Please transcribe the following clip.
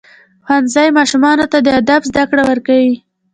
ښوونځی ماشومانو ته د ادب زده کړه ورکوي.